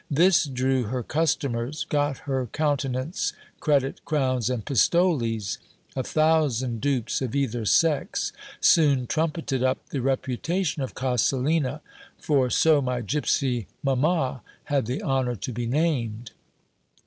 This drew her customers, got her countenance, credit, crowns, and pistoles : a thousand dupes of either sex soon trumpeted up the reputation of Coselina ; for so my gipsy mamma had the honour to be named.